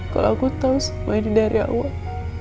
kalau aku tahu semua ini dari awal